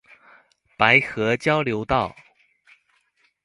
白河交流道